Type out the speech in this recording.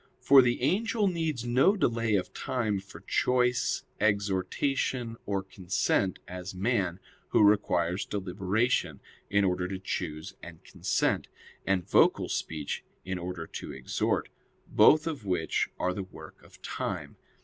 For the angel needs no delay of time for choice, exhortation, or consent, as man, who requires deliberation in order to choose and consent, and vocal speech in order to exhort; both of which are the work of time.